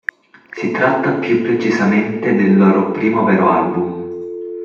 Si tratta, più precisamente, del loro primo vero album.